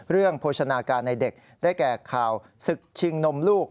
โภชนาการในเด็กได้แก่ข่าวศึกชิงนมลูก